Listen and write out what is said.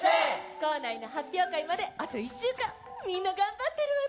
校内の発表会まであと１週間みんな頑張ってるわね！